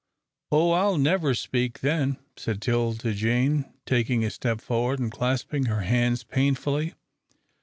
"Oh, I'll never speak then," said 'Tilda Jane, taking a step forward and clasping her hands painfully.